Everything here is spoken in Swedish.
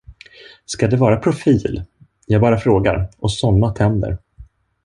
Ska det vara profil, jag bara frågar, och såna tänder!